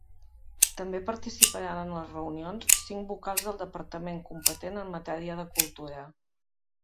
També participaran en les reunions cinc vocals del departament competent en matèria de cultura.